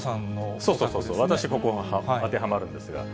私、ここに当てはまるんですが。